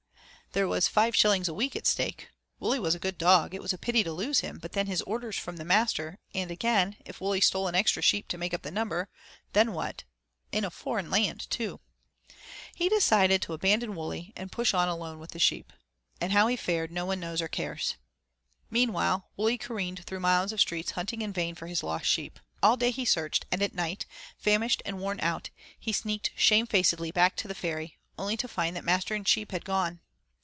There was five shillings a week at stake. Wully was a good dog, it was a pity to lose him, but then, his orders from the master; and again, if Wully stole an extra sheep to make up the number, then what in a foreign land too? He decided to abandon Wully, and push on alone with the sheep. And how he fared no one knows or cares. Meanwhile, Wully careered through miles of streets hunting in vain for his lost sheep. All day he searched, and at night, famished and worn out, he sneaked shamefacedly back to the ferry, only to find that master and sheep had gone.